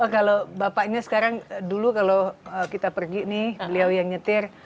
kalau bapaknya sekarang dulu kalau kita pergi nih beliau yang nyetir